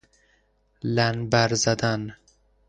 لنبر زدن